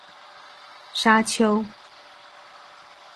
沙丘